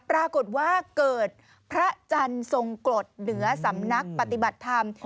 ปรากฏว่าเกิดพระจันทร์ทรงกรดเหนือสำนักปฏิบัติธรรม